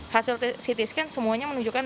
hasil ct scan semuanya menunjukkan